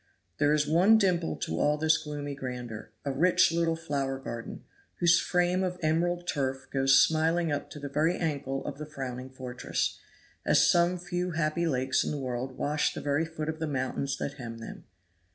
There is one dimple to all this gloomy grandeur a rich little flower garden, whose frame of emerald turf goes smiling up to the very ankle of the frowning fortress, as some few happy lakes in the world wash the very foot of the mountains that hem them.